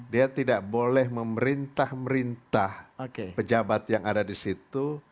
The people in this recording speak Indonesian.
dia tidak boleh memerintah merintah pejabat yang ada di situ